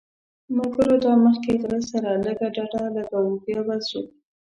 ملګرو دا مخکې غره سره لږ ډډه لګوو بیا به ځو.